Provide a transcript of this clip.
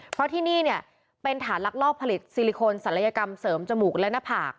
เพราะที่นี่เนี่ยเป็นฐานลักลอบผลิตซิลิโคนศัลยกรรมเสริมจมูกและหน้าผาก